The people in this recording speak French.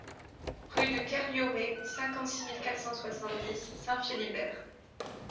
Rue de Kerlioret, cinquante-six mille quatre cent soixante-dix Saint-Philibert